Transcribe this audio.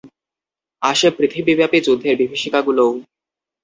আসে পৃথিবীব্যাপী যুদ্ধের বিভীষিকাগুলোও।